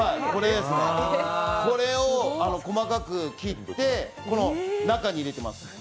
これを細かく切って、この中に入れていきます。